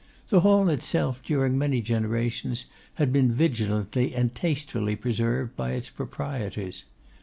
The hall itself, during many generations, had been vigilantly and tastefully preserved by its proprietors.